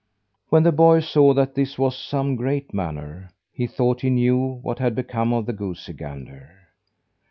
When the boy saw that this was some great manor, he thought he knew what had become of the goosey gander.